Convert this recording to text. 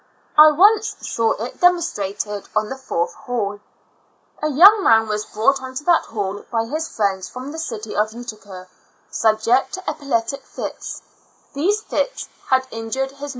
I once saw it demonstrated on the fourth hall. A young man was brought on to that hall by his friends from the city of Utica, subject to epileptic fits; these fits had injured his IJY A L UNA TIC ASTL UM.